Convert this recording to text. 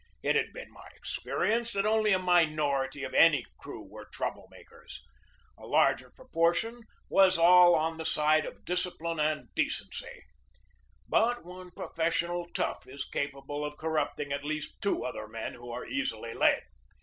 It had been my experience that only a minority of any crew were trouble makers. A larger proportion was all on the side of discipline and decency. But one professional tough is capable of corrupting at least two other men who are easily led.